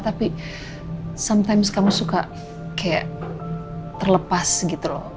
tapi sometimes kamu suka kayak terlepas gitu loh